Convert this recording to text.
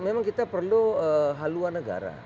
memang kita perlu haluan negara